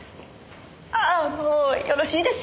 ああもうよろしいですか？